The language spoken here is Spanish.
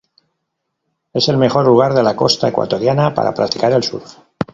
Es el mejor lugar de la costa ecuatoriana para practicar el surf.